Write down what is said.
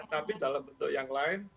tapi dalam bentuk yang lain